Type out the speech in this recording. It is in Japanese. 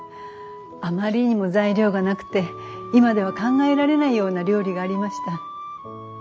あまりにも材料がなくて今では考えられないような料理がありました。